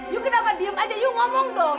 you kenapa diam aja you ngomong dong